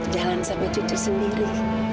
jalan sama cucu sendiri